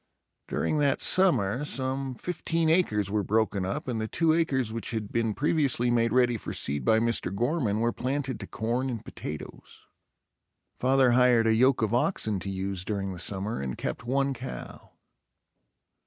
During that summer some fifteen acres were broken up and the two acres which had been previously made ready for seed by Mr. Gorman, were planted to corn and potatoes. Father hired a yoke of oxen to use during the summer and kept one cow.